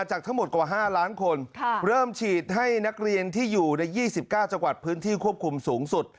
จากทั้งหมดกว่า๕ล้านคนเริ่มฉีดให้นักเรียนที่อยู่ใน๒๙จังหวัดพื้นที่ควบคุมสูงสุด